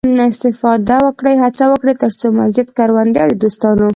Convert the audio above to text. استفاده وکړئ، هڅه وکړئ، تر څو مسجد، کروندې او د دوستانو